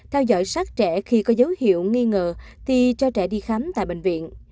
theo dõi sát trẻ khi có dấu hiệu nghi ngờ thì cho trẻ đi khám tại bệnh viện